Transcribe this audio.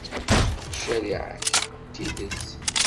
Ccariɛa-k, d tidet.